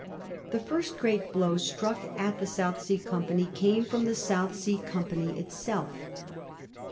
The first great blow struck at the South Sea Company came firom the South Sea Company itself.